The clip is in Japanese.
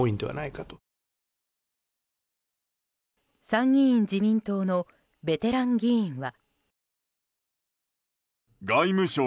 参議院自民党のベテラン議員は。